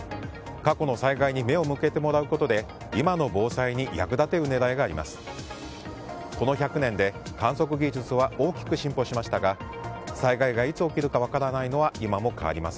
過去の災害に目を向けてもらうことで今の防災に役立てる狙いがあります。